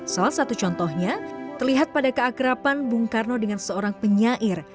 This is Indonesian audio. salah satu contohnya terlihat pada keakrapan bung karno dengan seorang penyair